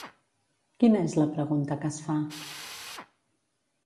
Quina és la pregunta que es fa?